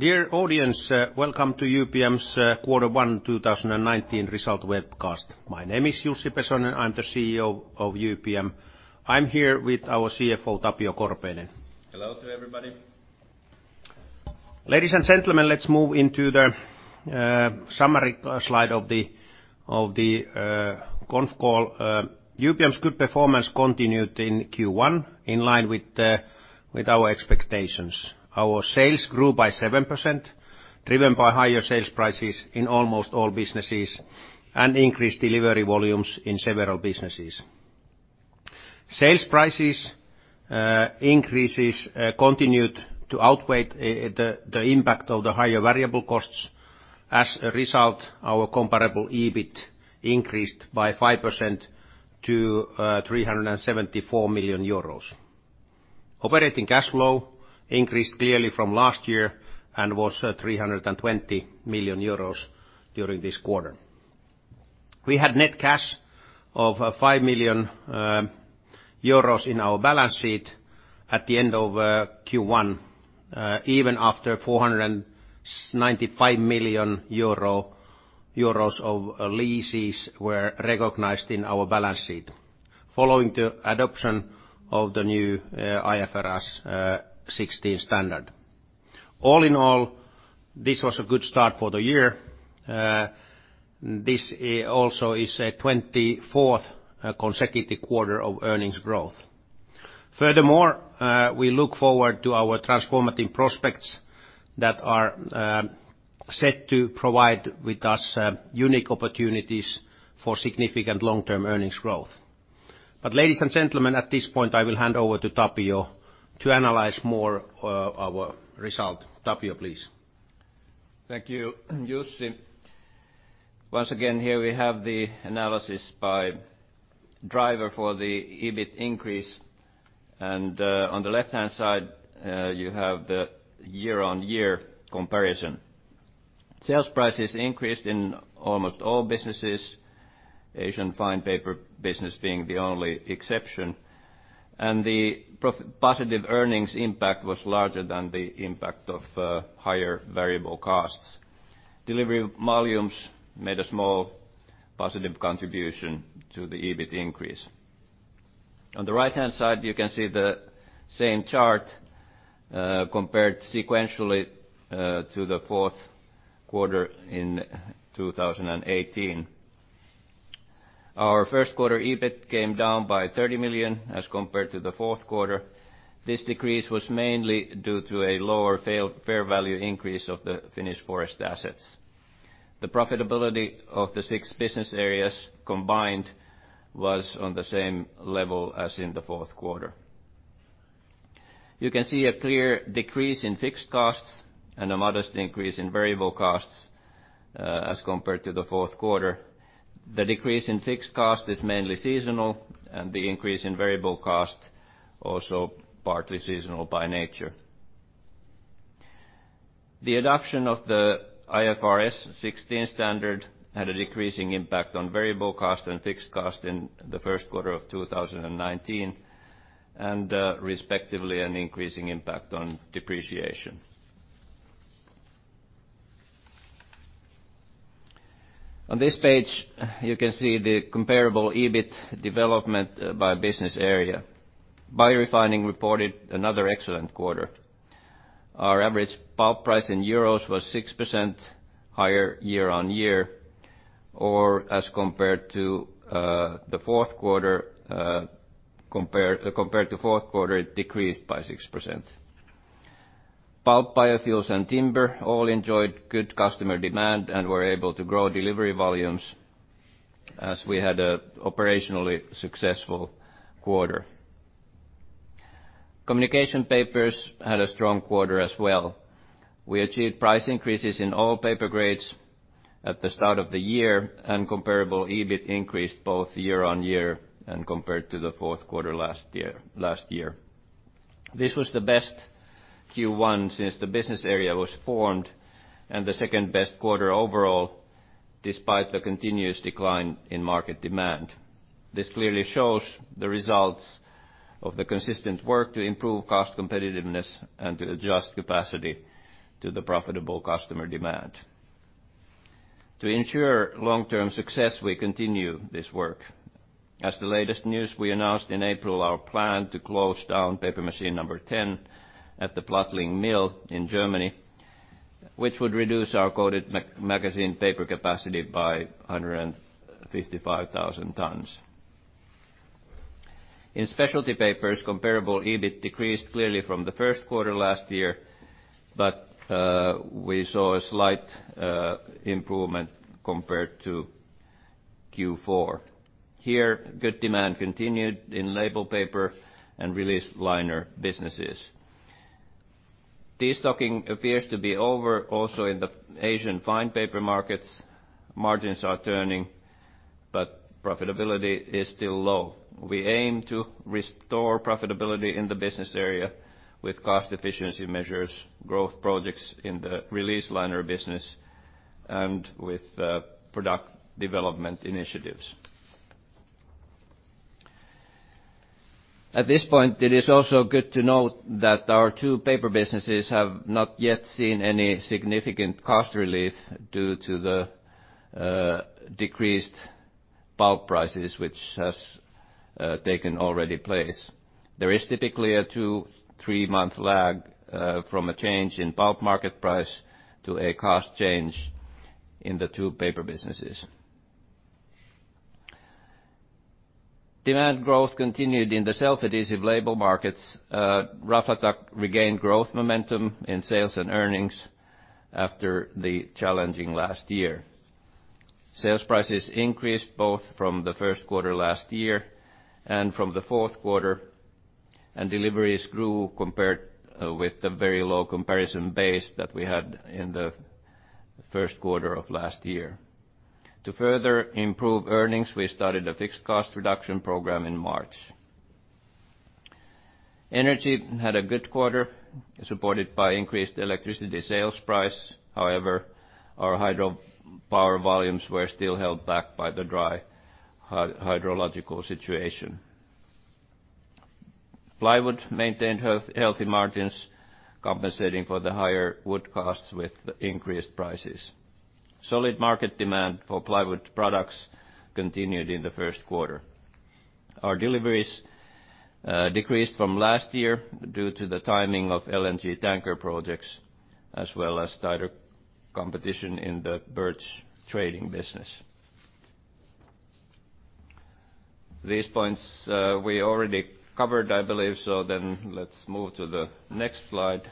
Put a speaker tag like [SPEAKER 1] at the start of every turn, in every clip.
[SPEAKER 1] Dear audience, welcome to UPM-Kymmene's Quarter 1 2019 result webcast. My name is Jussi Pesonen, I'm the CEO of UPM-Kymmene. I'm here with our CFO, Tapio Korpeinen.
[SPEAKER 2] Hello to everybody.
[SPEAKER 1] Ladies and gentlemen, let's move into the summary slide of the conf call. UPM-Kymmene's good performance continued in Q1, in line with our expectations. Our sales grew by 7%, driven by higher sales prices in almost all businesses and increased delivery volumes in several businesses. Sales prices increases continued to outweigh the impact of the higher variable costs. As a result, our comparable EBIT increased by 5% to 374 million euros. Operating cash flow increased clearly from last year and was 320 million euros during this quarter. We had net cash of 5 million euros in our balance sheet at the end of Q1, even after 495 million euro of leases were recognized in our balance sheet following the adoption of the new IFRS 16 standard. All in all, this was a good start for the year. This also is a 24th consecutive quarter of earnings growth. Furthermore, we look forward to our transformative prospects that are set to provide us with unique opportunities for significant long-term earnings growth. Ladies and gentlemen, at this point, I will hand over to Tapio to analyze more our result. Tapio, please.
[SPEAKER 2] Thank you, Jussi. Once again, here we have the analysis by driver for the EBIT increase, and on the left-hand side, you have the year-on-year comparison. Sales prices increased in almost all businesses, Asian Fine Paper business being the only exception, and the positive earnings impact was larger than the impact of higher variable costs. Delivery volumes made a small positive contribution to the EBIT increase. On the right-hand side, you can see the same chart, compared sequentially to the fourth quarter in 2018. Our first quarter EBIT came down by 30 million as compared to the fourth quarter. This decrease was mainly due to a lower fair value increase of the finished forest assets. The profitability of the six business areas combined was on the same level as in the fourth quarter. You can see a clear decrease in fixed costs and a modest increase in variable costs, as compared to the fourth quarter. The decrease in fixed cost is mainly seasonal, and the increase in variable cost also partly seasonal by nature. The adoption of the IFRS 16 standard had a decreasing impact on variable cost and fixed cost in the first quarter of 2019, and respectively, an increasing impact on depreciation. On this page, you can see the comparable EBIT development by business area. Biorefining reported another excellent quarter. Our average pulp price in EUR was 6% higher year-on-year, or compared to the fourth quarter, it decreased by 6%. Pulp, biofuels, and timber all enjoyed good customer demand and were able to grow delivery volumes as we had an operationally successful quarter. Communication Papers had a strong quarter as well. We achieved price increases in all paper grades at the start of the year, and comparable EBIT increased both year-on-year and compared to the fourth quarter last year. This was the best Q1 since the business area was formed, and the second-best quarter overall, despite the continuous decline in market demand. This clearly shows the results of the consistent work to improve cost competitiveness and to adjust capacity to the profitable customer demand. To ensure long-term success, we continue this work. As the latest news, we announced in April our plan to close down paper machine number 10 at the Plattling Mill in Germany, which would reduce our coated magazine paper capacity by 155,000 tons. In Specialty Papers, comparable EBIT decreased clearly from the first quarter last year, but we saw a slight improvement compared to Q4. Here, good demand continued in label paper and release liner businesses. Destocking appears to be over also in the Asian Fine Paper markets. Margins are turning, but profitability is still low. We aim to restore profitability in the business area with cost efficiency measures, growth projects in the release liner business, and with product development initiatives. At this point, it is also good to note that our two paper businesses have not yet seen any significant cost relief due to the decreased pulp prices, which has taken already place. There is typically a two, three-month lag from a change in pulp market price to a cost change in the two paper businesses. Demand growth continued in the self-adhesive label markets. Raflatac regained growth momentum in sales and earnings after the challenging last year. Sales prices increased both from the first quarter last year and from the fourth quarter, deliveries grew compared with the very low comparison base that we had in the first quarter of last year. To further improve earnings, we started a fixed cost reduction program in March. Energy had a good quarter supported by increased electricity sales price. However, our hydropower volumes were still held back by the dry hydrological situation. Plywood maintained healthy margins, compensating for the higher wood costs with increased prices. Solid market demand for plywood products continued in the first quarter. Our deliveries decreased from last year due to the timing of LNG tanker projects, as well as tighter competition in the birch trading business. These points we already covered, I believe, let's move to the next slide.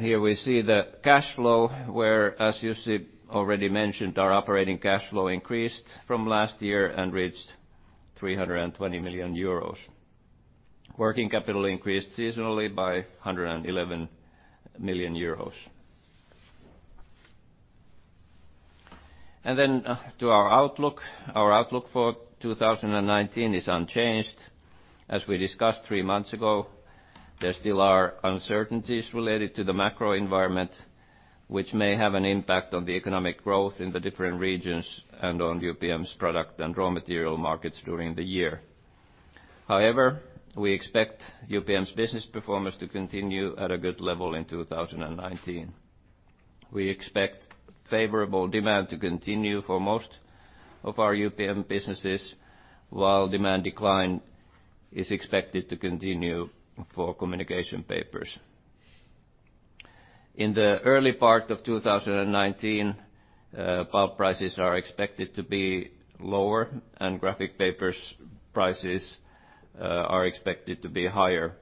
[SPEAKER 2] Here we see the cash flow where, as Jussi already mentioned, our operating cash flow increased from last year and reached 320 million euros. Working capital increased seasonally by 111 million euros. To our outlook. Our outlook for 2019 is unchanged. As we discussed three months ago, there still are uncertainties related to the macro environment, which may have an impact on the economic growth in the different regions and on UPM's product and raw material markets during the year. However, we expect UPM's business performance to continue at a good level in 2019. We expect favorable demand to continue for most of our UPM businesses, while demand decline is expected to continue for Communication Papers. In the early part of 2019, pulp prices are expected to be lower and graphic papers prices are expected to be higher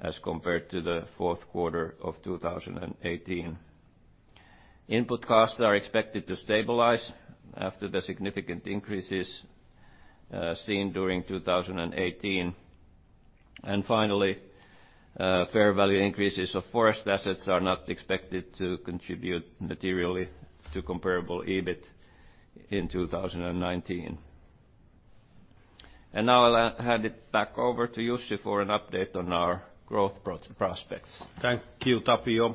[SPEAKER 2] as compared to the fourth quarter of 2018. Input costs are expected to stabilize after the significant increases seen during 2018. Finally, fair value increases of forest assets are not expected to contribute materially to comparable EBIT in 2019. Now I'll hand it back over to Jussi for an update on our growth prospects.
[SPEAKER 1] Thank you, Tapio.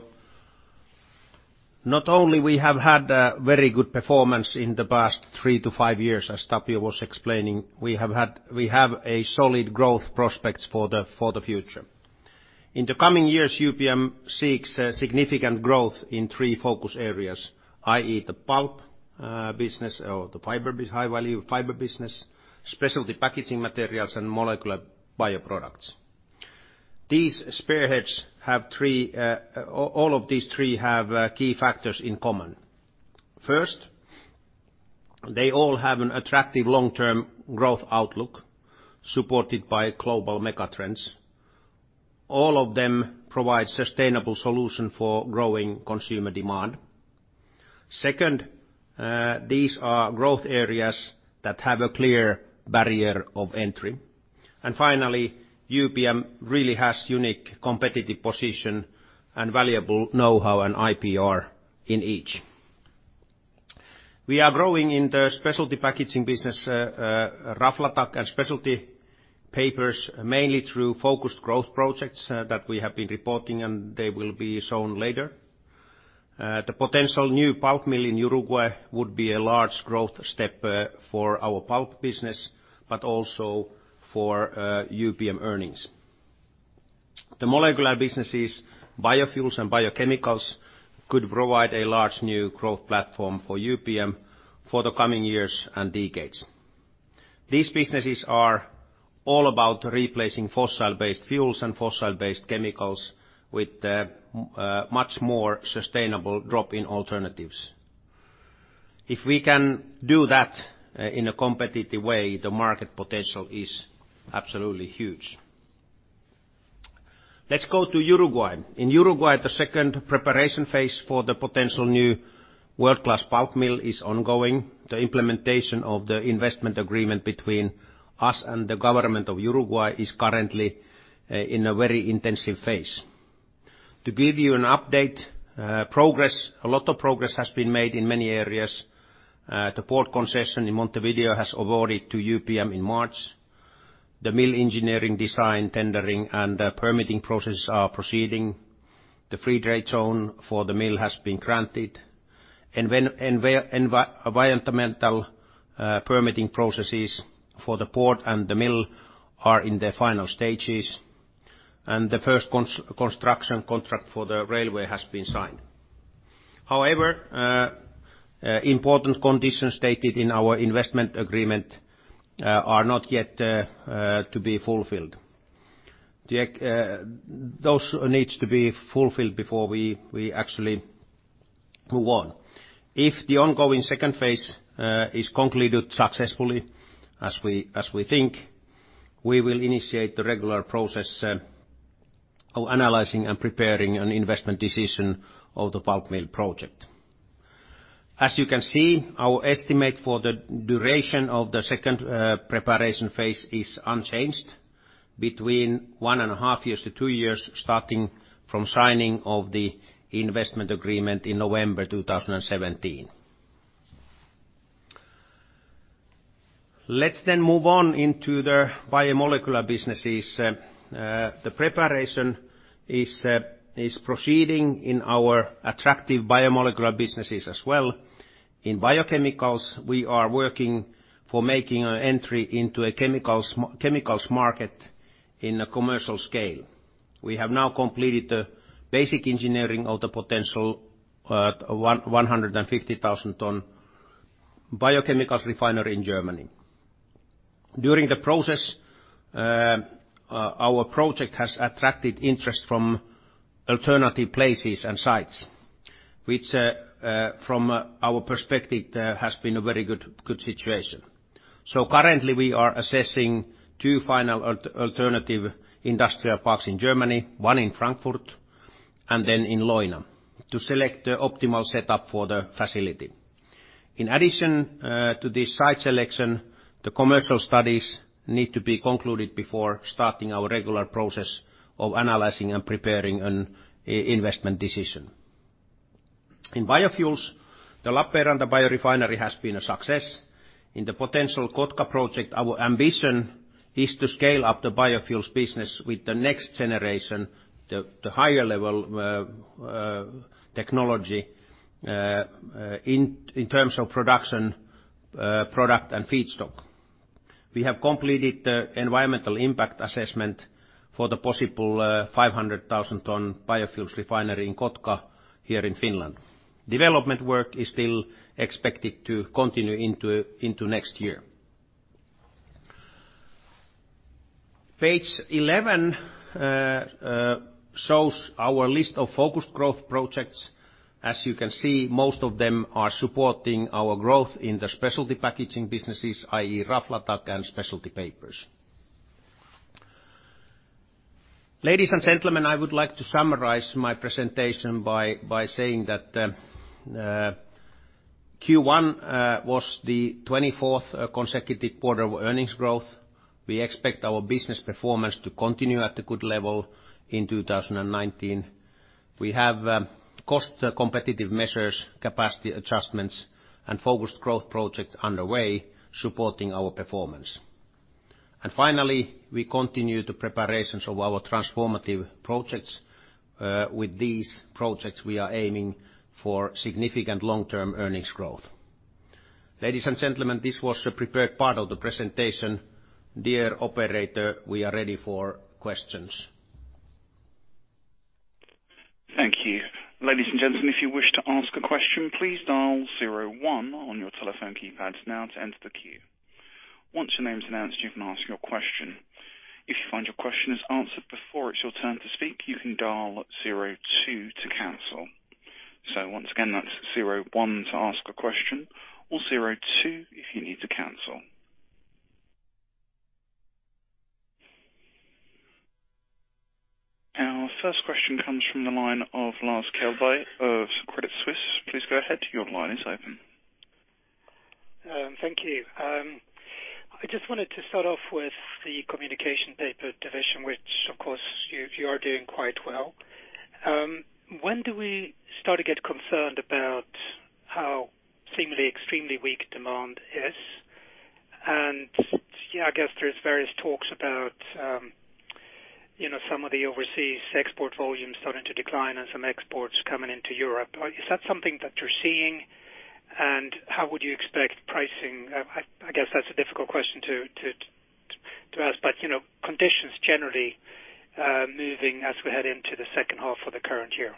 [SPEAKER 1] Not only we have had a very good performance in the past three to five years as Tapio was explaining, we have a solid growth prospects for the future. In the coming years, UPM seeks significant growth in three focus areas, i.e. the pulp business or the high-value fiber business, specialty packaging materials and molecular bioproducts. All of these three have key factors in common. First, they all have an attractive long-term growth outlook supported by global mega trends. All of them provide sustainable solution for growing consumer demand. Second, these are growth areas that have a clear barrier of entry. Finally, UPM really has unique competitive position and valuable knowhow and IPR in each. We are growing in the specialty packaging business, Raflatac and specialty papers mainly through focused growth projects that we have been reporting, and they will be shown later. The potential new pulp mill in Uruguay would be a large growth step for our pulp business, but also for UPM earnings. The molecular businesses, biofuels and biochemicals, could provide a large new growth platform for UPM for the coming years and decades. These businesses are all about replacing fossil-based fuels and fossil-based chemicals with much more sustainable drop-in alternatives. If we can do that in a competitive way, the market potential is absolutely huge. Let's go to Uruguay. In Uruguay, the second preparation phase for the potential new world-class pulp mill is ongoing. The implementation of the investment agreement between us and the government of Uruguay is currently in a very intensive phase. To give you an update, a lot of progress has been made in many areas. The port concession in Montevideo has awarded to UPM in March. The mill engineering design tendering and the permitting process are proceeding. The free trade zone for the mill has been granted. Environmental permitting processes for the port and the mill are in their final stages, and the first construction contract for the railway has been signed. However, important conditions stated in our investment agreement are not yet to be fulfilled. Those need to be fulfilled before we actually move on. If the ongoing second phase is concluded successfully, as we think, we will initiate the regular process of analyzing and preparing an investment decision of the pulp mill project. As you can see, our estimate for the duration of the second preparation phase is unchanged, between one and a half years to two years, starting from signing of the investment agreement in November 2017. Let's then move on into the biomolecular businesses. The preparation is proceeding in our attractive biomolecular businesses as well. In biochemicals, we are working for making an entry into a chemicals market in a commercial scale. We have now completed the basic engineering of the potential 150,000 ton biochemical refinery in Germany. During the process, our project has attracted interest from alternative places and sites, which, from our perspective, has been a very good situation. Currently we are assessing two final alternative industrial parks in Germany, one in Frankfurt and then in Leuna, to select the optimal setup for the facility. In addition to the site selection, the commercial studies need to be concluded before starting our regular process of analyzing and preparing an investment decision. In biofuels, the Lappeenranta biorefinery has been a success. In the potential Kotka project, our ambition is to scale up the biofuels business with the next generation, the higher level technology, in terms of production, product and feedstock. We have completed the environmental impact assessment for the possible 500,000 ton biofuels refinery in Kotka here in Finland. Development work is still expected to continue into next year. Page 11 shows our list of focused growth projects. As you can see, most of them are supporting our growth in the specialty packaging businesses, i.e. Raflatac and specialty papers. Ladies and gentlemen, I would like to summarize my presentation by saying that Q1 was the 24th consecutive quarter of earnings growth. We expect our business performance to continue at a good level in 2019. We have cost competitive measures, capacity adjustments, and focused growth projects underway supporting our performance. Finally, we continue the preparations of our transformative projects. With these projects, we are aiming for significant long-term earnings growth. Ladies and gentlemen, this was the prepared part of the presentation. Dear operator, we are ready for questions.
[SPEAKER 3] Thank you. Ladies and gentlemen, if you wish to ask a question, please dial zero one on your telephone keypads now to enter the queue. Once your name's announced, you can ask your question. If you find your question is answered before it's your turn to speak, you can dial zero two to cancel. Once again, that's zero one to ask a question or zero two if you need to cancel. Our first question comes from the line of Lars Kjellberg of Credit Suisse. Please go ahead, your line is open.
[SPEAKER 4] Thank you. I just wanted to start off with the Communication Papers division, which, of course, you are doing quite well. When do we start to get concerned about how seemingly extremely weak demand is? I guess there's various talks about some of the overseas export volumes starting to decline and some exports coming into Europe. Is that something that you're seeing, and how would you expect pricing? I guess that's a difficult question to ask, but conditions generally moving as we head into the second half of the current year.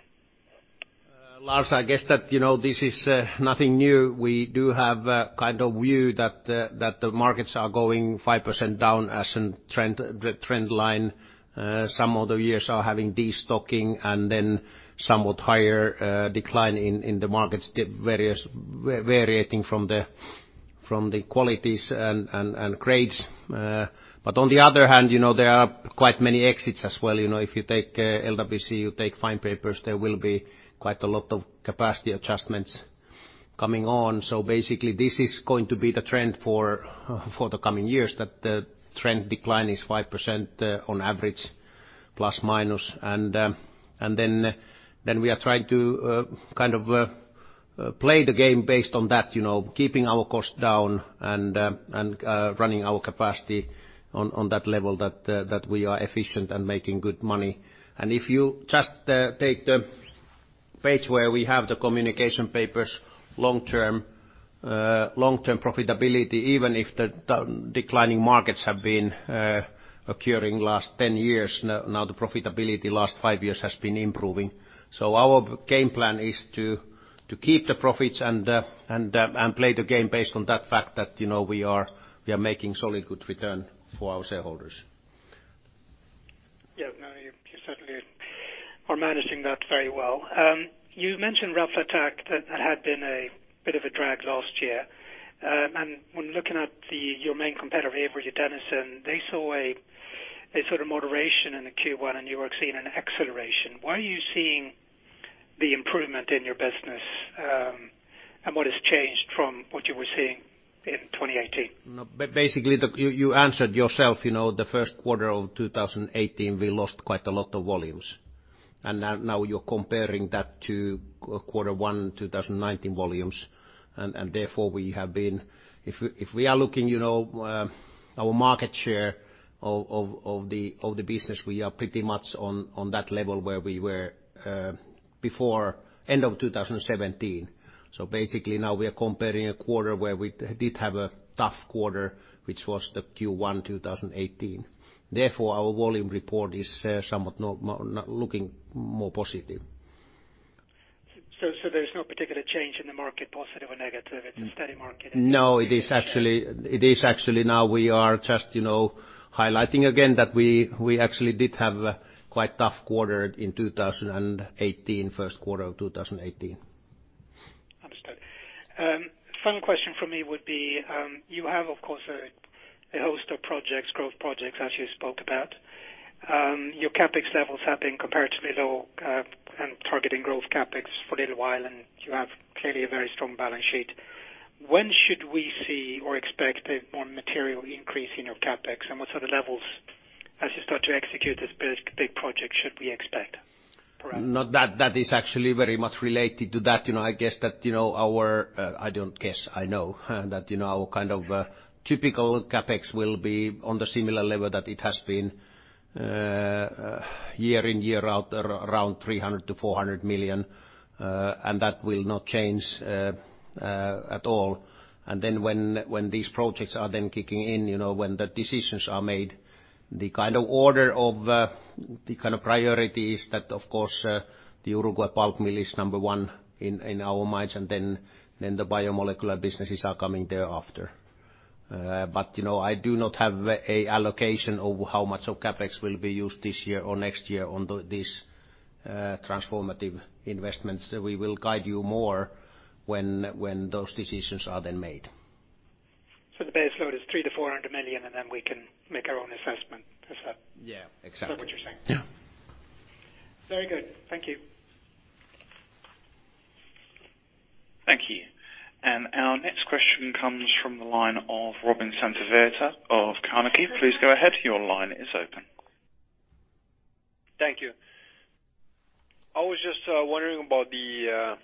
[SPEAKER 1] Lars, I guess that this is nothing new. We do have a kind of view that the markets are going 5% down as in the trend line. Some of the years are having destocking and then somewhat higher decline in the markets, variating from the qualities and grades. On the other hand, there are quite many exits as well. If you take LWC, you take fine papers, there will be quite a lot of capacity adjustments coming on. Basically, this is going to be the trend for the coming years, that the trend decline is 5% on average, plus minus. Then we are trying to kind of play the game based on that, keeping our cost down and running our capacity on that level that we are efficient and making good money. If you just take the page where we have the UPM Communication Papers, long-term profitability, even if the declining markets have been occurring last 10 years, now the profitability last five years has been improving. Our game plan is to keep the profits and play the game based on that fact that we are making solid, good return for our shareholders.
[SPEAKER 4] Yeah. You certainly are managing that very well. You've mentioned Raflatac that had been a bit of a drag last year. When looking at your main competitor, Avery Dennison, they saw a sort of moderation in the Q1 and you are seeing an acceleration. Why are you seeing the improvement in your business, and what has changed from what you were seeing in 2018?
[SPEAKER 1] Basically, you answered yourself. The first quarter of 2018, we lost quite a lot of volumes. Now you're comparing that to quarter one 2019 volumes, and therefore if we are looking our market share of the business, we are pretty much on that level where we were before end of 2017. Basically now we are comparing a quarter where we did have a tough quarter, which was the Q1 2018. Therefore, our volume report is somewhat looking more positive.
[SPEAKER 4] There's no particular change in the market, positive or negative, it's a steady market.
[SPEAKER 1] It is actually now we are just highlighting again that we actually did have a quite tough quarter in 2018, first quarter of 2018.
[SPEAKER 4] Understood. Final question from me would be, you have, of course, a host of growth projects as you spoke about. Your CapEx levels have been comparatively low, targeting growth CapEx for a little while, you have clearly a very strong balance sheet. When should we see or expect a more material increase in your CapEx, what sort of levels as you start to execute this big project should we expect, perhaps?
[SPEAKER 1] That is actually very much related to that. I know that our kind of typical CapEx will be on the similar level that it has been year in, year out, around 300 million-400 million. That will not change at all. Then when these projects are then kicking in, when the decisions are made, the kind of order of the kind of priority is that, of course, the Uruguay pulp mill is number one in our minds, the biomolecular businesses are coming thereafter. I do not have a allocation of how much of CapEx will be used this year or next year on these transformative investments. We will guide you more when those decisions are then made.
[SPEAKER 4] The base load is 300 million-400 million then we can make our own assessment. Is that?
[SPEAKER 1] Yeah. Exactly.
[SPEAKER 4] What you're saying?
[SPEAKER 1] Yeah.
[SPEAKER 4] Very good. Thank you.
[SPEAKER 3] Thank you. Our next question comes from the line of Robin Santavirta of Carnegie. Please go ahead. Your line is open.
[SPEAKER 5] Thank you. I was just wondering about the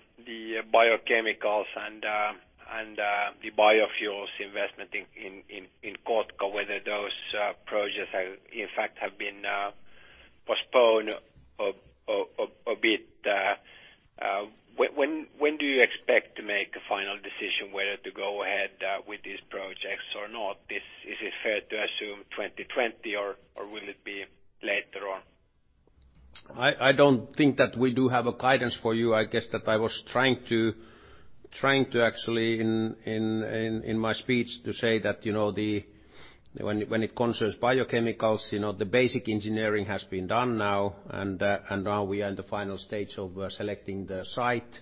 [SPEAKER 5] biochemicals and the biofuels investment in Kotka, whether those projects in fact have been postponed a bit. When do you expect to make a final decision whether to go ahead with these projects or not? Is it fair to assume 2020 or will it be later on?
[SPEAKER 1] I don't think that we do have a guidance for you. I guess that I was trying to actually in my speech to say that when it concerns biochemicals, the basic engineering has been done now, and now we are in the final stage of selecting the site.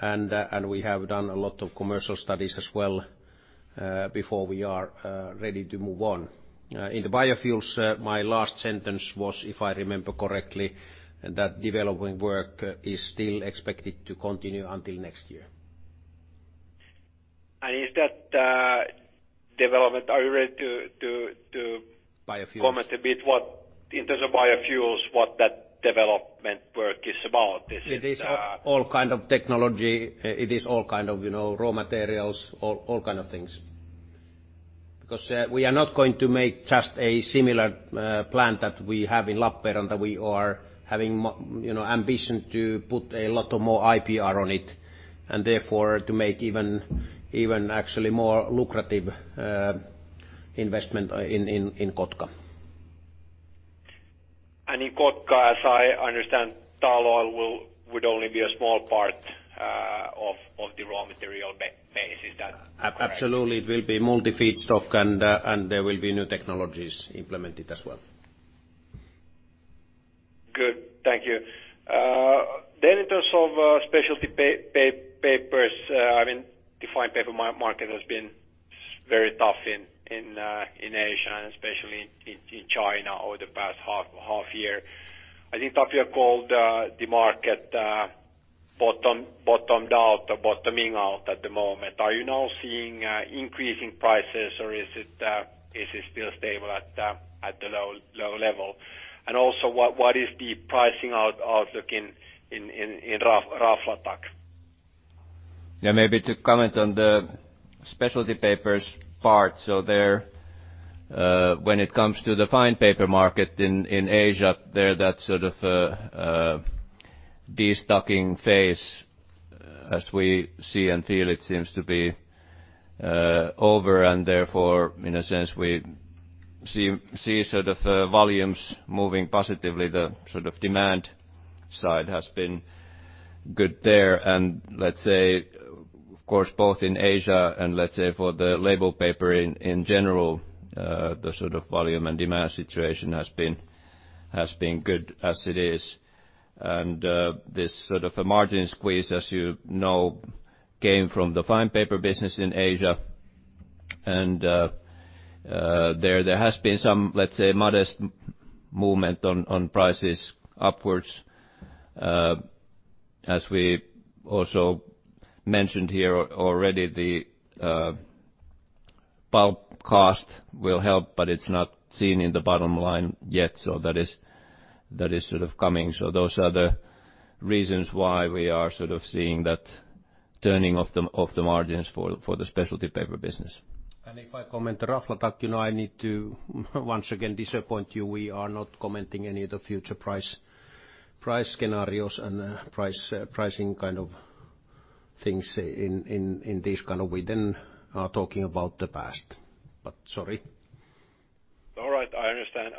[SPEAKER 1] We have done a lot of commercial studies as well before we are ready to move on. In the biofuels, my last sentence was, if I remember correctly, that developing work is still expected to continue until next year.
[SPEAKER 5] Is that development, are you ready to-
[SPEAKER 1] Biofuels
[SPEAKER 5] comment a bit what, in terms of biofuels, what that development work is about?
[SPEAKER 1] It is all kind of technology. It is all kind of raw materials, all kind of things. We are not going to make just a similar plant that we have in Lappeenranta. We are having ambition to put a lot of more IPR on it, and therefore to make even actually more lucrative investment in Kotka.
[SPEAKER 5] In Kotka, as I understand, tall oil would only be a small part of the raw material base. Is that correct?
[SPEAKER 1] Absolutely. It will be multi-feedstock and there will be new technologies implemented as well.
[SPEAKER 5] Good. Thank you. In terms of specialty papers, I mean, the fine paper market has been very tough in Asia and especially in China over the past half year. I think Tapio called the market bottomed out or bottoming out at the moment. Are you now seeing increasing prices or is it still stable at the low level? Also what is the pricing outlook in Raflatac?
[SPEAKER 2] Yeah. Maybe to comment on the specialty papers part. There, when it comes to the fine paper market in Asia, there that sort of de-stocking phase as we see and feel it seems to be over, and therefore in a sense we see volumes moving positively. The demand side has been good there. Let's say, of course, both in Asia and let's say for the label paper in general, the sort of volume and demand situation has been good as it is. This sort of a margin squeeze, as you know, came from the fine paper business in Asia. There has been some, let's say, modest movement on prices upwards. As we also mentioned here already, the pulp cost will help, but it's not seen in the bottom line yet. That is sort of coming. Those are the reasons why we are sort of seeing that turning of the margins for the specialty paper business.
[SPEAKER 1] If I comment Raflatac I need to once again disappoint you. We are not commenting any of the future price scenarios and pricing kind of things in this kind of way. Talking about the past. Sorry.
[SPEAKER 5] All right. I understand.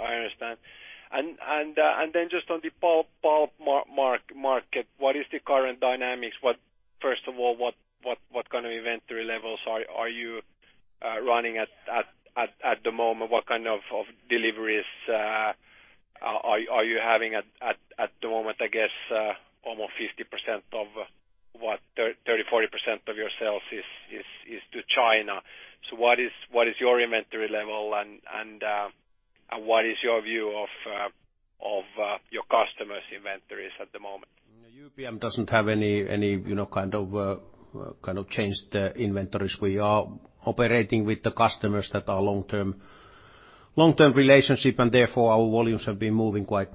[SPEAKER 5] Just on the pulp market, what is the current dynamics? First of all, what kind of inventory levels are you running at the moment? What kind of deliveries are you having at the moment? I guess almost 50% of what 30%-40% of your sales is to China. What is your inventory level and what is your view of your customers' inventories at the moment?
[SPEAKER 1] UPM-Kymmene doesn't have any kind of changed inventories. We are operating with the customers that are long-term relationship, and therefore our volumes have been moving quite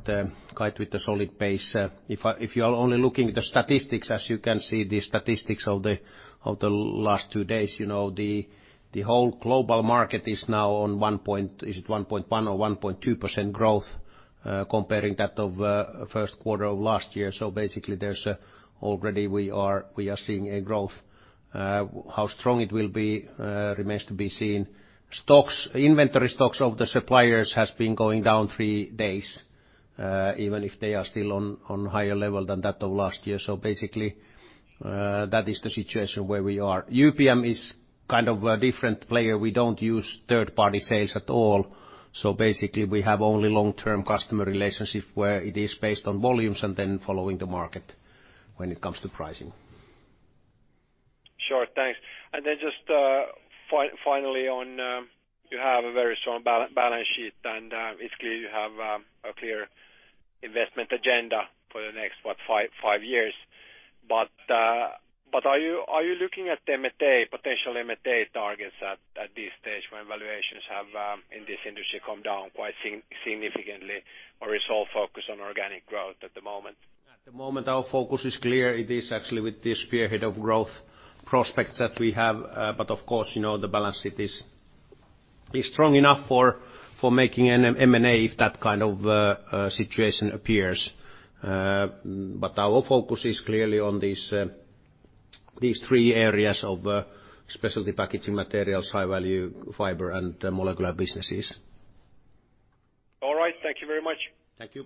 [SPEAKER 1] with a solid pace. If you are only looking at the statistics, as you can see the statistics of the last two days, the whole global market is now on one point, is it 1.1% or 1.2% growth comparing that of first quarter of last year. Basically already we are seeing a growth. How strong it will be remains to be seen. Inventory stocks of the suppliers has been going down three days even if they are still on higher level than that of last year. Basically that is the situation where we are. UPM-Kymmene is kind of a different player. We don't use third-party sales at all. Basically we have only long-term customer relationship where it is based on volumes and then following the market when it comes to pricing.
[SPEAKER 5] Sure. Thanks. Just finally on, you have a very strong balance sheet, and it's clear you have a clear investment agenda for the next, what, five years. Are you looking at potential M&A targets at this stage when valuations have, in this industry, come down quite significantly? Is all focus on organic growth at the moment?
[SPEAKER 1] At the moment, our focus is clear. It is actually with the spearhead of growth prospects that we have. Of course, the balance sheet is strong enough for making an M&A if that kind of situation appears. Our focus is clearly on these three areas of specialty packaging materials, high-value fiber, and molecular businesses.
[SPEAKER 5] All right. Thank you very much.
[SPEAKER 1] Thank you.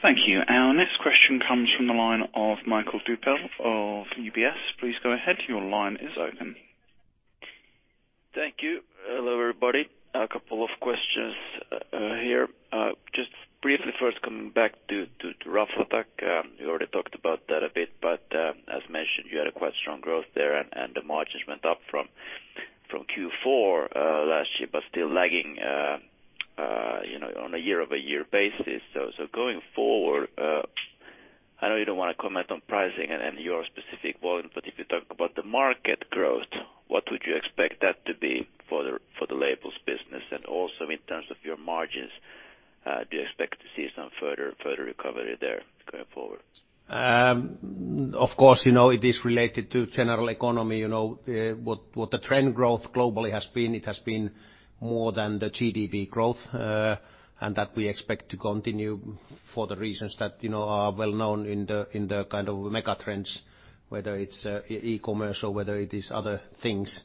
[SPEAKER 3] Thank you. Our next question comes from the line of Mikael Doepel of UBS. Please go ahead. Your line is open.
[SPEAKER 6] Thank you. Hello, everybody. A couple of questions here. Just briefly first coming back to Raflatac. You already talked about that a bit, as mentioned, you had a quite strong growth there and the margins went up from Q4 last year, still lagging on a year-over-year basis. Going forward, I know you don't want to comment on pricing and your specific volume, if you talk about the market growth, what would you expect that to be for the labels business and also in terms of your margins? Do you expect to see some further recovery there going forward?
[SPEAKER 1] It is related to general economy. What the trend growth globally has been, it has been more than the GDP growth. That we expect to continue for the reasons that are well-known in the kind of mega trends, whether it's e-commerce or whether it is other things.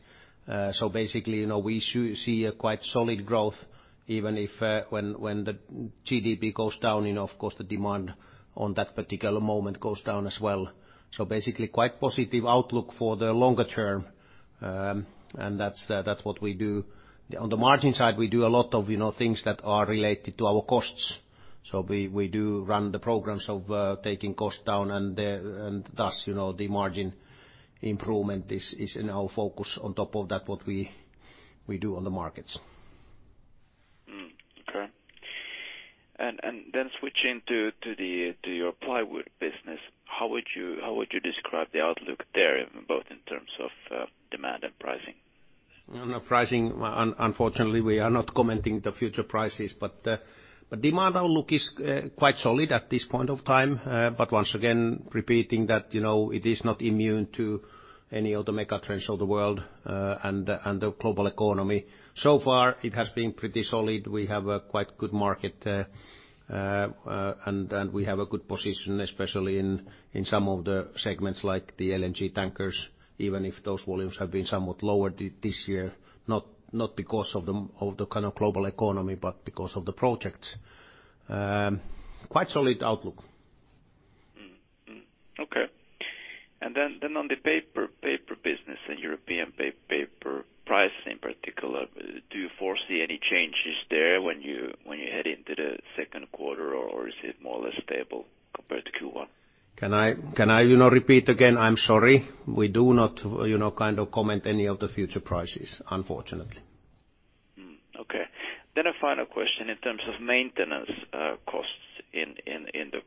[SPEAKER 1] Basically, we see a quite solid growth, even if when the GDP goes down, of course the demand on that particular moment goes down as well. Basically quite positive outlook for the longer term. That's what we do. On the margin side, we do a lot of things that are related to our costs. We do run the programs of taking costs down and thus the margin improvement is in our focus on top of that what we do on the markets.
[SPEAKER 6] Okay. Switching to your plywood business, how would you describe the outlook there, both in terms of demand and pricing?
[SPEAKER 2] On pricing, unfortunately, we are not commenting the future prices. Demand outlook is quite solid at this point of time. Once again, repeating that it is not immune to any of the mega trends of the world, and the global economy. So far, it has been pretty solid. We have a quite good market, and we have a good position, especially in some of the segments like the LNG tankers, even if those volumes have been somewhat lower this year, not because of the global economy, but because of the project. Quite solid outlook.
[SPEAKER 6] Okay. On the paper business in European paper price, in particular, do you foresee any changes there when you head into the second quarter, or is it more or less stable compared to Q1?
[SPEAKER 2] Can I repeat again? I'm sorry. We do not comment any of the future prices, unfortunately.
[SPEAKER 6] A final question, in terms of maintenance costs in the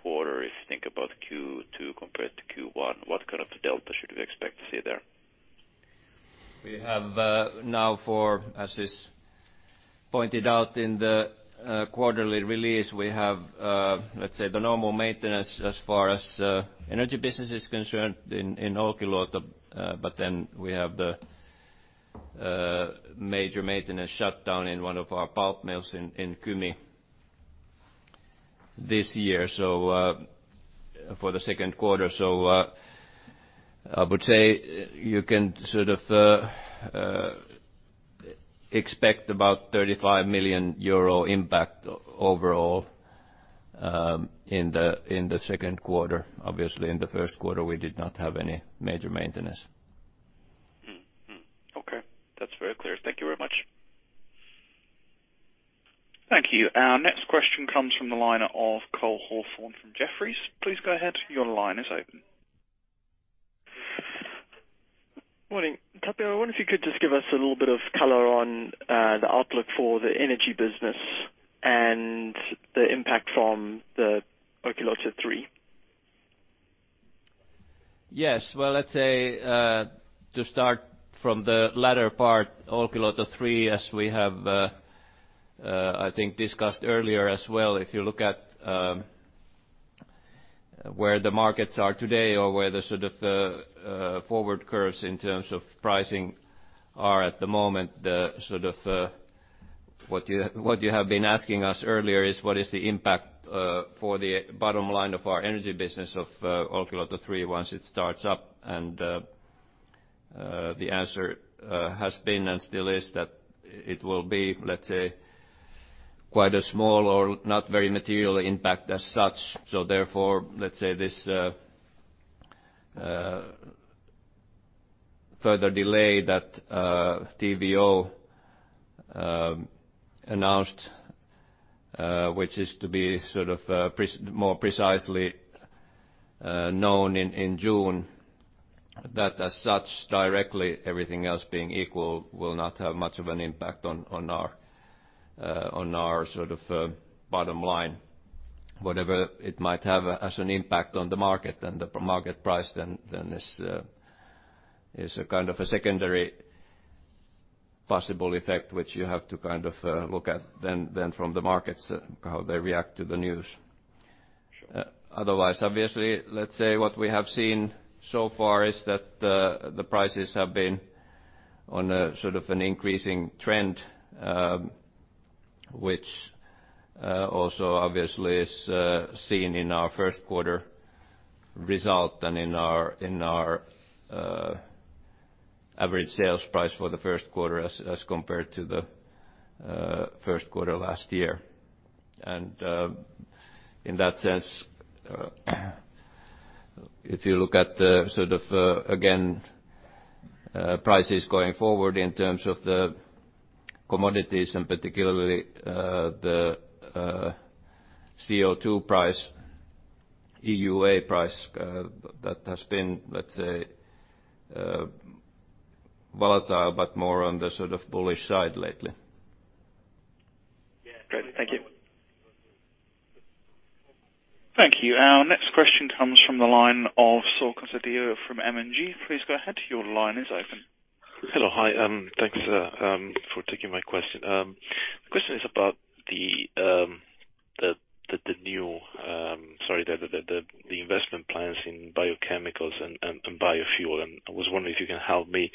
[SPEAKER 6] quarter, if you think about Q2 compared to Q1, what kind of delta should we expect to see there?
[SPEAKER 2] We have now, as is pointed out in the quarterly release, we have, let's say, the normal maintenance as far as energy business is concerned in Olkiluoto. We have the major maintenance shutdown in one of our pulp mills in Kymi this year, for the second quarter. I would say you can expect about 35 million euro impact overall in the second quarter. Obviously, in the first quarter, we did not have any major maintenance.
[SPEAKER 6] Okay. That's very clear. Thank you very much.
[SPEAKER 3] Thank you. Our next question comes from the line of Cole Hathorn from Jefferies. Please go ahead. Your line is open.
[SPEAKER 7] Morning. Tapio, I wonder if you could just give us a little bit of color on the outlook for the energy business and the impact from the Olkiluoto 3.
[SPEAKER 2] Yes. Well, let's say, to start from the latter part, Olkiluoto 3, as we have, I think, discussed earlier as well, if you look at where the markets are today or where the forward curves in terms of pricing are at the moment, what you have been asking us earlier is what is the impact for the bottom line of our energy business of Olkiluoto 3 once it starts up, and the answer has been and still is that it will be, let's say, quite a small or not very material impact as such. Therefore, let's say this further delay that TVO announced, which is to be more precisely known in June, that as such, directly, everything else being equal will not have much of an impact on our bottom line. Whatever it might have as an impact on the market and the market price then is a kind of a secondary possible effect, which you have to look at then from the markets, how they react to the news.
[SPEAKER 7] Sure.
[SPEAKER 2] Otherwise, obviously, let's say what we have seen so far is that the prices have been on an increasing trend, which also obviously is seen in our first quarter result and in our average sales price for the first quarter as compared to the first quarter last year. In that sense, if you look at the, again, prices going forward in terms of the commodities and particularly the CO2 price, EUA price that has been, let's say, volatile, but more on the bullish side lately.
[SPEAKER 7] Yeah. Great. Thank you.
[SPEAKER 3] Thank you. Our next question comes from the line of Saul Casadio from M&G. Please go ahead. Your line is open.
[SPEAKER 8] Hello. Hi. Thanks for taking my question. The question is about the investment plans in biochemicals and biofuel. I was wondering if you can help me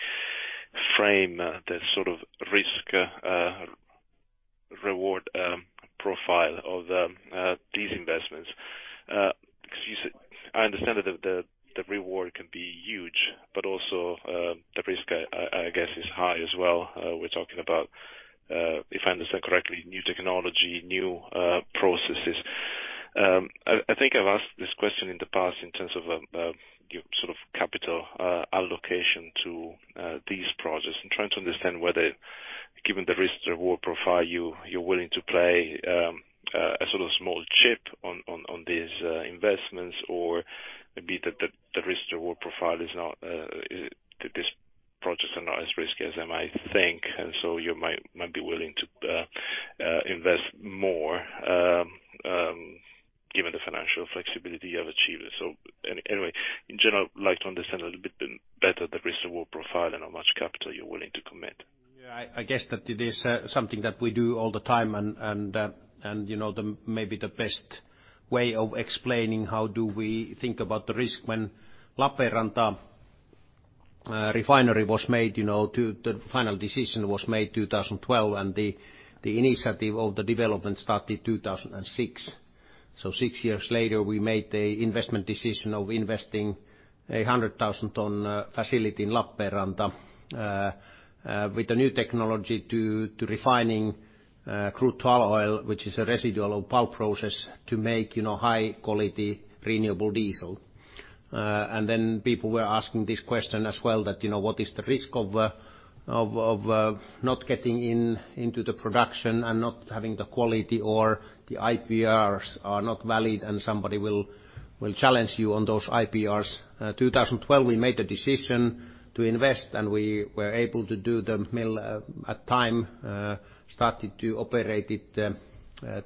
[SPEAKER 8] frame the sort of risk-reward profile of these investments. I understand that the reward can be huge, but also the risk, I guess, is high as well. We're talking about, if I understand correctly, new technology, new processes. I think I've asked this question in the past in terms of your capital allocation to these projects. I'm trying to understand whether, given the risk-reward profile, you're willing to play a sort of small chip on these investments, or maybe the risk-reward profile is not as risky as I might think, you might be willing to invest more given the financial you have achieved. Anyway, in general, I'd like to understand a little bit better the risk-reward profile and how much capital you are willing to commit.
[SPEAKER 1] I guess that it is something that we do all the time and maybe the best way of explaining how do we think about the risk when Lappeenranta Refinery, the final decision was made 2012, the initiative of the development started 2006. Six years later, we made an investment decision of investing 100,000 ton facility in Lappeenranta with the new technology to refining crude tall oil, which is a residual of pulp process to make high-quality renewable diesel. People were asking this question as well, what is the risk of not getting into the production and not having the quality or the IPRs are not valid and somebody will challenge you on those IPRs. 2012, we made a decision to invest, and we were able to do the mill at time, started to operate it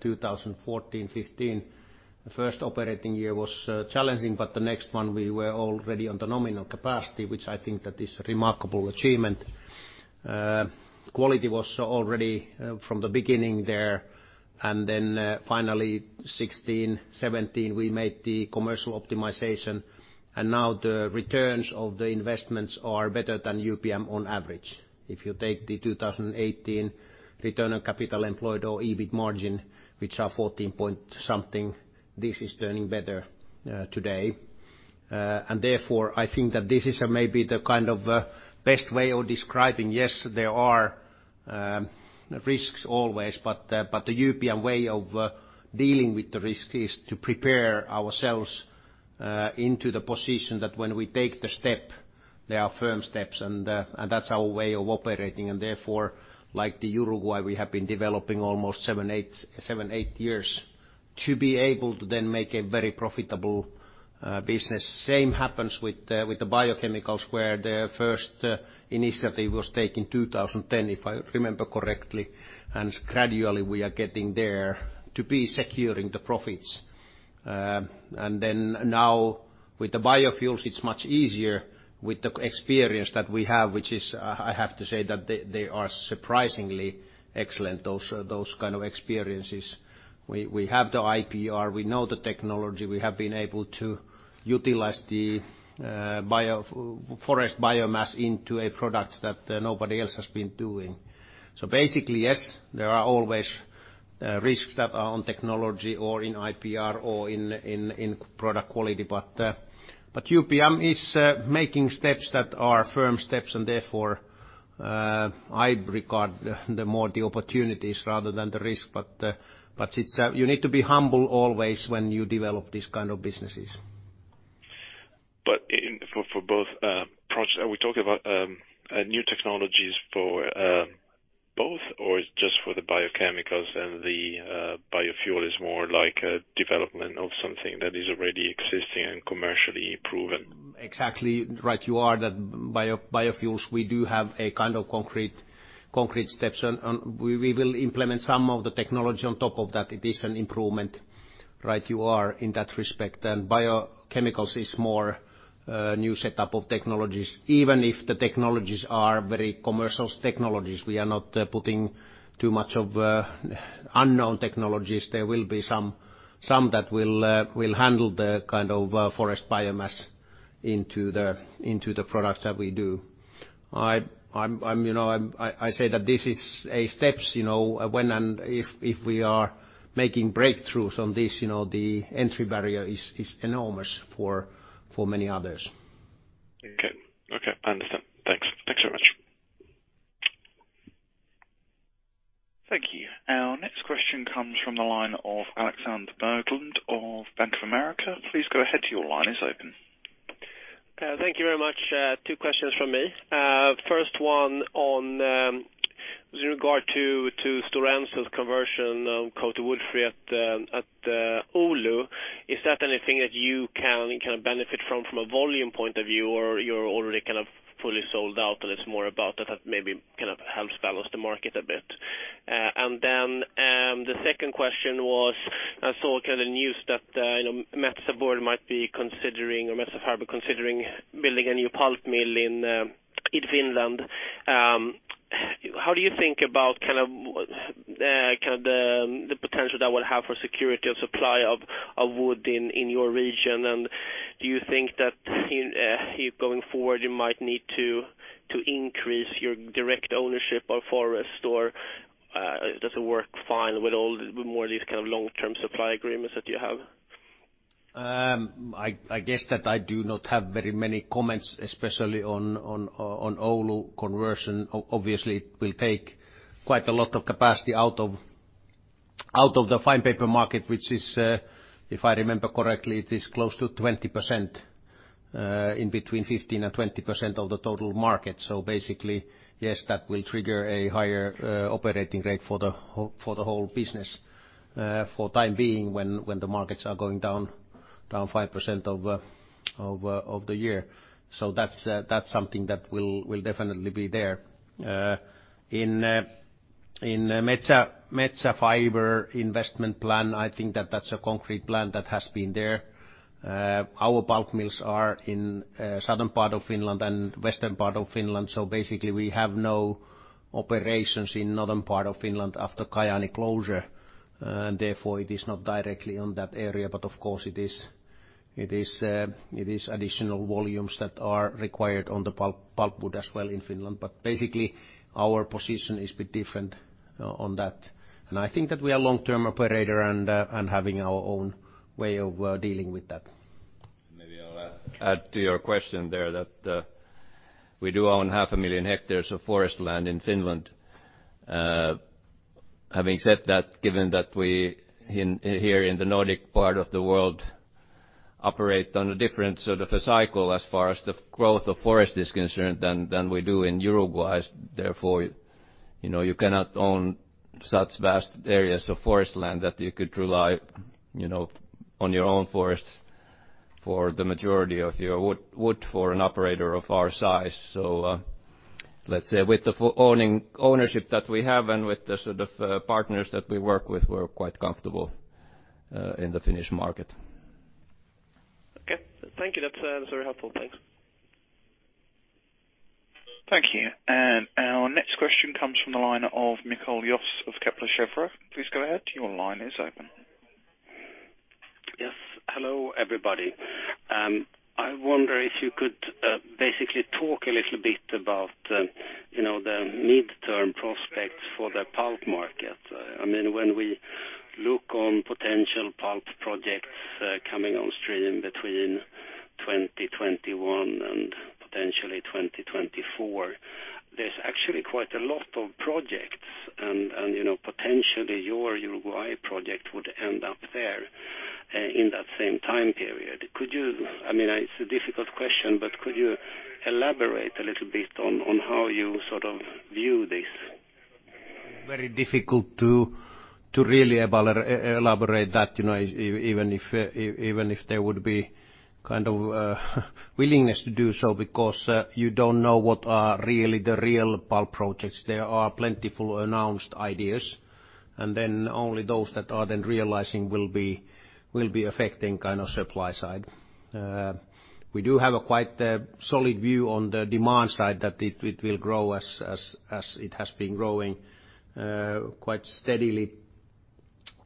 [SPEAKER 1] 2014/15. The first operating year was challenging, the next one, we were already on the nominal capacity, which I think that is remarkable achievement. Quality was already from the beginning there. Finally 2016, 2017, we made the commercial optimization, and now the returns of the investments are better than UPM on average. If you take the 2018 return on capital employed or EBIT margin, which are 14 point something, this is turning better today. Therefore, I think that this is maybe the kind of best way of describing, yes, there are risks always, but the UPM way of dealing with the risk is to prepare ourselves into the position that when we take the step, they are firm steps and that's our way of operating. Therefore, like the Uruguay, we have been developing almost seven, eight years to be able to then make a very profitable business. Same happens with the biochemicals, where the first initiative was taken 2010, if I remember correctly. Gradually we are getting there to be securing the profits. Now with the biofuels, it's much easier with the experience that we have, which is I have to say that they are surprisingly excellent, those kind of experiences. We have the IPR, we know the technology, we have been able to utilize the forest biomass into a product that nobody else has been doing. Basically, yes, there are always risks that are on technology or in IPR or in product quality, but UPM is making steps that are firm steps and therefore, I regard the more the opportunities rather than the risk. You need to be humble always when you develop these kind of businesses.
[SPEAKER 8] For both projects, are we talking about new technologies for both, or it's just for the biochemicals and the biofuel is more like a development of something that is already existing and commercially proven?
[SPEAKER 1] Exactly right you are, that biofuels, we do have a kind of concrete steps, and we will implement some of the technology on top of that. It is an improvement, right you are, in that respect. Biochemicals is more new setup of technologies, even if the technologies are very commercial technologies. We are not putting too much of unknown technologies. There will be some that will handle the kind of forest biomass into the products that we do. I say that this is a step when and if we are making breakthroughs on this, the entry barrier is enormous for many others.
[SPEAKER 8] Okay. I understand. Thanks. Thanks very much.
[SPEAKER 3] Thank you. Our next question comes from the line of Alexander Berglund of Bank of America. Please go ahead, your line is open.
[SPEAKER 9] Thank you very much. Two questions from me. First one on with regard to Stora Enso's conversion to wood-free at Oulu. Is that anything that you can benefit from a volume point of view, or you're already kind of fully sold out, and it's more about that maybe kind of helps balance the market a bit? The second question was, I saw kind of news that Metsä Board might be considering or Metsä Fibre considering building a new pulp mill in Kemi, Finland. How do you think about kind of the potential that will have for security of supply of wood in your region? Do you think that going forward you might need to increase your direct ownership of forest or does it work fine with more of these kind of long-term supply agreements that you have?
[SPEAKER 1] I guess that I do not have very many comments, especially on Oulu conversion. Obviously, it will take quite a lot of capacity out of the fine paper market, which is if I remember correctly, it is close to 20%, in between 15%-20% of the total market. Basically, yes, that will trigger a higher operating rate for the whole business for time being when the markets are going down 5% of the year. That's something that will definitely be there. In Metsä Fibre investment plan, I think that's a concrete plan that has been there. Our pulp mills are in southern part of Finland and western part of Finland, basically we have no operations in northern part of Finland after Kaipola closure, therefore it is not directly on that area. Of course it is additional volumes that are required on the pulpwood as well in Finland. Basically our position is a bit different on that, and I think that we are long-term operator and having our own way of dealing with that.
[SPEAKER 2] Maybe I'll add to your question there that we do own half a million hectares of forest land in Finland. Having said that, given that we, here in the Nordic part of the world, operate on a different sort of a cycle as far as the growth of forest is concerned than we do in Uruguay. Therefore, you cannot own such vast areas of forest land that you could rely on your own forests for the majority of your wood for an operator of our size. Let's say with the ownership that we have and with the sort of partners that we work with, we're quite comfortable in the Finnish market.
[SPEAKER 9] Okay. Thank you. That's very helpful. Thanks.
[SPEAKER 3] Thank you. Our next question comes from the line of Mikael Jafs of Kepler Cheuvreux. Please go ahead. Your line is open.
[SPEAKER 10] Yes. Hello, everybody. I wonder if you could basically talk a little bit about the midterm prospects for the pulp market. When we look on potential pulp projects coming on stream between 2021 and potentially 2024, there's actually quite a lot of projects and potentially your Uruguay project would end up there in that same time period. I know it's a difficult question, but could you elaborate a little bit on how you sort of view this?
[SPEAKER 1] Very difficult to really elaborate that even if there would be kind of a willingness to do so because you don't know what are really the real pulp projects. There are plentiful announced ideas, and then only those that are then realizing will be affecting supply side. We do have a quite solid view on the demand side that it will grow as it has been growing quite steadily.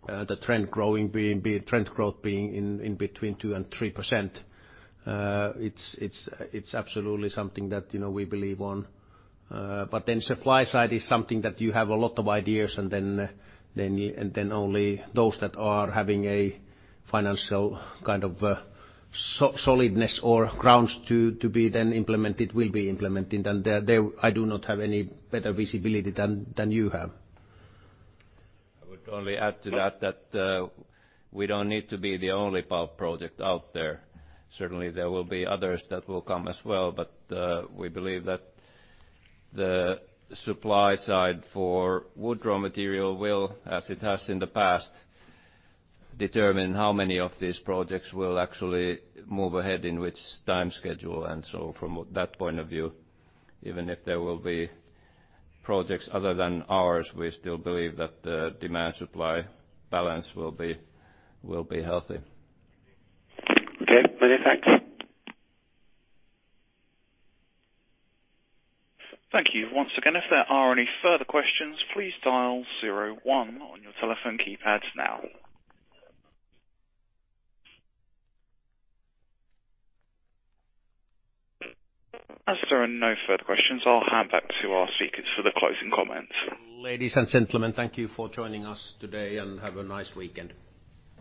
[SPEAKER 1] The trend growth being in between 2% and 3%. It's absolutely something that we believe on. Supply side is something that you have a lot of ideas and then only those that are having a financial kind of solidness or grounds to be then implemented will be implemented. There I do not have any better visibility than you have.
[SPEAKER 2] I would only add to that we don't need to be the only pulp project out there. Certainly there will be others that will come as well, but we believe that the supply side for wood raw material will, as it has in the past, determine how many of these projects will actually move ahead in which time schedule. From that point of view, even if there will be projects other than ours, we still believe that the demand supply balance will be healthy.
[SPEAKER 10] Okay. Many thanks.
[SPEAKER 3] Thank you once again. If there are any further questions, please dial 01 on your telephone keypads now. As there are no further questions, I'll hand back to our speakers for the closing comments.
[SPEAKER 1] Ladies and gentlemen, thank you for joining us today and have a nice weekend.